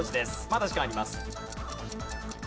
まだ時間あります。